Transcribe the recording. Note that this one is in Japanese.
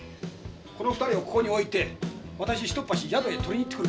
この２人をここに置いて私ひとっ走り宿へ取りに行ってくるから。